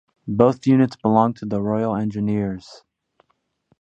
Both units belonged to the Royal Engineers.